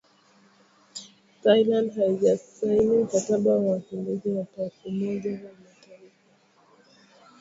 Thailand haijasaini Mkataba wa Wakimbizi wa Umoja wa Mataifa